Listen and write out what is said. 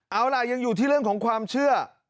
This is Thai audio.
เอาล่ะยังอยู่ที่เรื่องของความเชื่อ